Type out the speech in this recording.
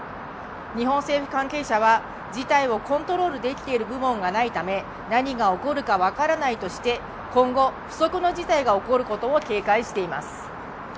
日本政府関係者は、事態をコントロールできている部門がないため何が起こるか分からないとして、今後、不測の事態を起こることを警戒しています。